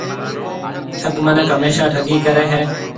ٺَگ مِنک هميشا ٺَگِي ڪريَ هيَ۔